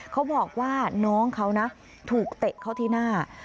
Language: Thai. เขาบอกว่าน้องเขานะถูกเตะเข้าที่หน้า